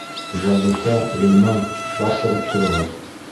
Вазифа, Ғилман, бар, сығып тороғоҙ.